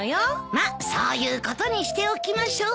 まっそういうことにしておきましょう。